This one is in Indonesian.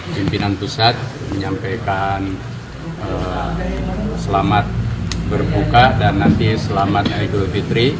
pimpinan pusat menyampaikan selamat berbuka dan nanti selamatnya idul fitri